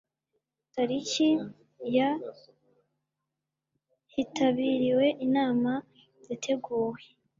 tariki ya hitabiriwe inama yateguwe